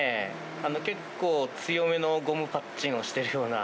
結構、強めのゴムぱっちんをしているような。